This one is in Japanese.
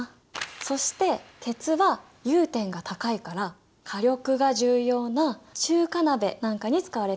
そして鉄は融点が高いから火力が重要な中華鍋なんかに使われているんだ。